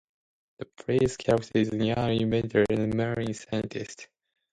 The player's character is a young inventor and marine scientist.